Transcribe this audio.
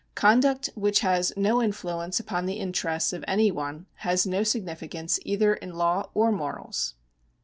Conduct which has no influence upon the interests of any one has no significance either in law or morals.